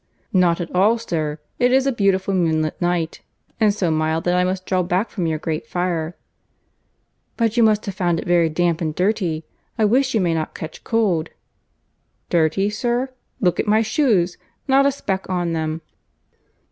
"Not at all, sir. It is a beautiful moonlight night; and so mild that I must draw back from your great fire." "But you must have found it very damp and dirty. I wish you may not catch cold." "Dirty, sir! Look at my shoes. Not a speck on them."